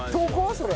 それ。